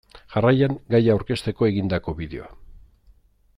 Jarraian gaia aurkezteko egindako bideoa.